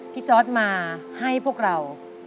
พี่จอดมาให้พวกเรา